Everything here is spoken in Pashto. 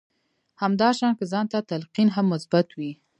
همدا شان که ځان ته تلقين هم مثبت وي.